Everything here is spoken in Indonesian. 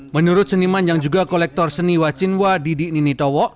menurut seniman yang juga kolektor seni wacinwa didi ninitowo